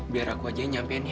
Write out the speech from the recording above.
biar aku aja nyampein ya